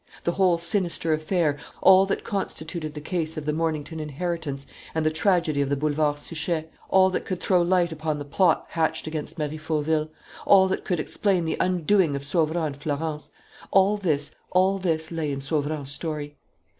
The whole sinister affair, all that constituted the case of the Mornington inheritance and the tragedy of the Boulevard Suchet, all that could throw light upon the plot hatched against Marie Fauville, all that could explain the undoing of Sauverand and Florence all this lay in Sauverand's story.